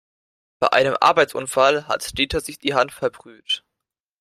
Bei einem Arbeitsunfall hat Dieter sich die Hand verbrüht.